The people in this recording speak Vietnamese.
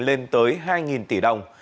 lên tới hai tỷ đồng